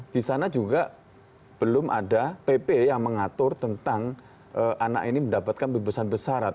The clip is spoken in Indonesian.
di sana juga belum ada pp yang mengatur tentang anak ini mendapatkan bebesan besarat